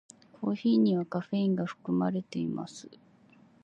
コーヒーにはカフェインが含まれています。